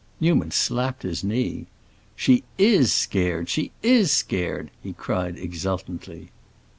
Newman slapped his knee. "She is scared! she is scared!" he cried, exultantly.